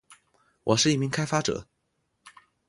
我是一名开发者